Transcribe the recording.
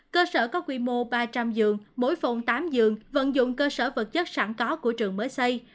cơ sở có quy mô ba trăm linh giường mỗi phòng tám giường vận dụng cơ sở vật chất sẵn có của trường mới xây